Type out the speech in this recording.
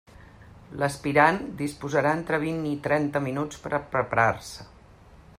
L'aspirant disposarà entre vint i trenta minuts per a preparar-se.